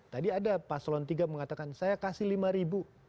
tadi ada paslon tiga mengatakan saya kasih lima ribu